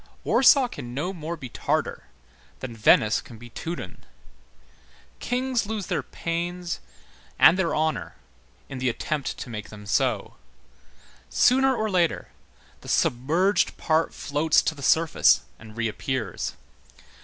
Warsaw can no more be Tartar than Venice can be Teuton. Kings lose their pains and their honor in the attempt to make them so. Sooner or later, the submerged part floats to the surface and reappears.